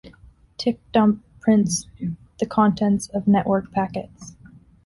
Tcpdump prints the contents of network packets.